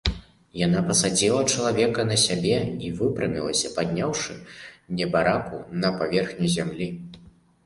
Яна пасадзіла чалавека на сябе і выпрамілася, падняўшы небараку на паверхню зямлі.